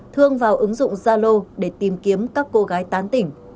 thương vào ứng dụng zalo để tìm kiếm các cô gái tán tỉnh